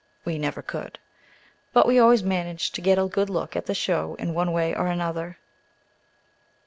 (We never could.)But we always managed to get a good look at the show in one way or another.